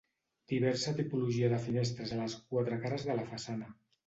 Diversa tipologia de finestres a les quatre cares de la façana.